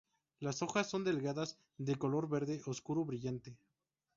Las hojas son delgadas de color verde oscuro brillante.